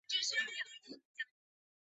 他那张著名的肖像就是在这里拍摄的。